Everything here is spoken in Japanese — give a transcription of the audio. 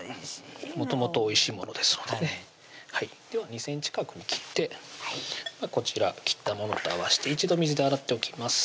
もともとおいしいものですのでねでは２ｃｍ角に切ってこちら切ったものと合わして一度水で洗っておきます